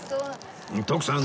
徳さん